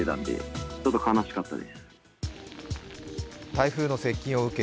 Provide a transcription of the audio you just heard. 台風の接近を受け